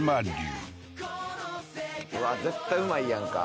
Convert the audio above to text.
うわ絶対うまいやんか